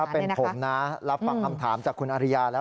ถ้าเป็นผมนะรับคำถามจากคุณอริยาละ